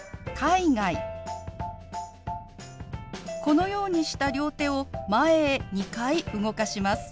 このようにした両手を前へ２回動かします。